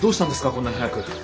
こんなに早く。